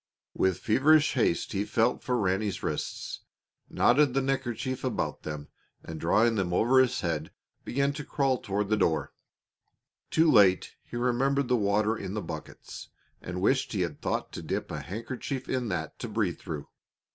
With feverish haste he felt for Ranny's wrists, knotted the neckerchief about them, and, drawing them over his head, began to crawl toward the door. Too late he remembered the water in the buckets and wished he had thought to dip a handkerchief in that to breathe through.